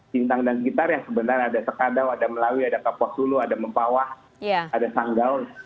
sintang dan sekitar yang sebenarnya ada sekadau ada melawi ada kaposulu ada mempawah ada sanggaun